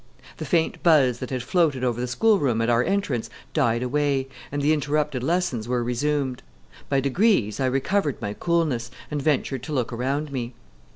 The faint buzz that had floated over the school room at our entrance died away, and the interrupted lessons were resumed. By degrees I recovered my coolness, and ventured to look around me.